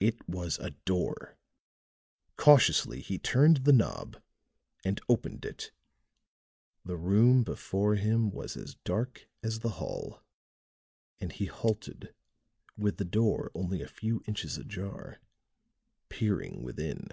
It was a door; cautiously he turned the knob and opened it. The room before him was as dark as the hall; and he halted with the door only a few inches ajar, peering within.